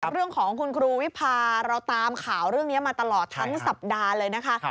เรื่องของคุณครูวิพาเราตามข่าวเรื่องนี้มาตลอดทั้งสัปดาห์เลยนะคะ